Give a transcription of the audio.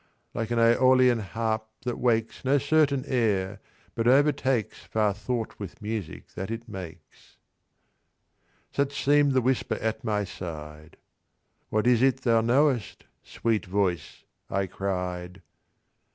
Like an Aeolian harp that wakes No certain air, but overtakes Far thought with music that it makes: Such seem'd the whisper at my side: "What is it thou knowest, sweet voice?" I cried.